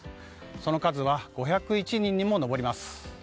その数は５０１人にも上ります。